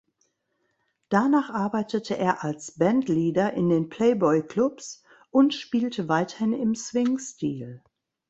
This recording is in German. Danach arbeitete er als Bandleader in den Playboy-Clubs und spielte weiterhin im Swing-Stil.